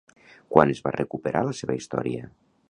Quan es va recuperar la seva història?